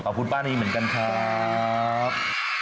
ขอบคุณปานีเหมือนกันครับ